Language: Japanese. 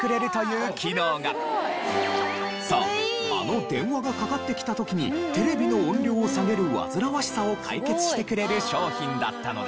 そうあの電話がかかってきた時にテレビの音量を下げる煩わしさを解決してくれる商品だったのです。